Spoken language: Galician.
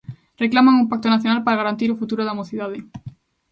Reclaman un pacto nacional para garantir o futuro da mocidade.